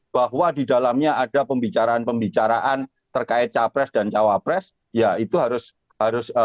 bahwa di dalamnya ada pembicaraan pembicaraan terkait capres dan cawapres ya itu harus